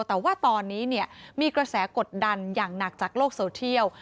แต่ว่าตอนนี้มีกระแสกดดันอย่างหนักจากโลกโซเทียล